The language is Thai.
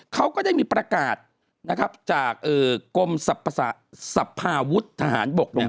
เขาก็ได้มีประกาศนะครับจากกรมสภาวุฒิทหารบกเนี่ย